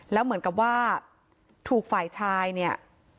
แล้วเหมือนกับว่าถูกฝ่ายชายเนี่ย